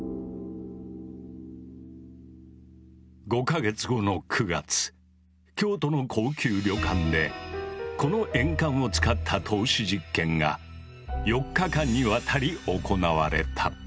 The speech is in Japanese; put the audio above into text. ５か月後の９月京都の高級旅館でこの鉛管を使った透視実験が４日間にわたり行われた。